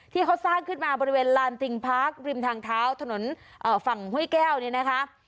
ที่เขาสร้างขึ้นมาบริเวณลานติงพาร์คริมทางเท้าถนนฝั่งห้วยแก้วเนี่ยนะคะ